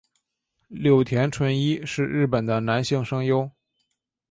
柳田淳一是日本的男性声优。